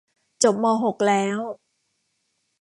จบมอหกแล้ว